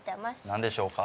なんでしょうか？